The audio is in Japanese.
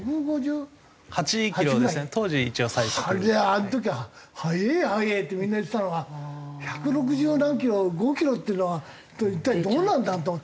あの時は「速え速え！」ってみんな言ってたのが百六十何キロ１６５キロっていうのは一体どうなんだ？と。